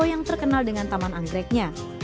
yang terkenal dengan taman anggreknya